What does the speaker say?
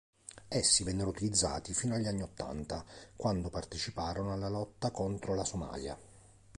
Essi vennero utilizzati fino agli anni ottanta, quando parteciparono alla lotta contro la Somalia.